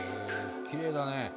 きれいだね。